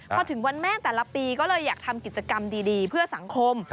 พอถึงวันแม่แต่ละปีก็เลยอยากทำกิจกรรมดีเพื่อสังคม